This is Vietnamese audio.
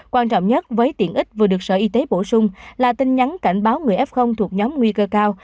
quan trọng nhất với tiện ích vừa được sở y tế bổ sung là tin nhắn cảnh báo người f thuộc nhóm nguy cơ cao